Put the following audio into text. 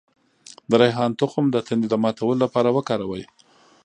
د ریحان تخم د تندې د ماتولو لپاره وکاروئ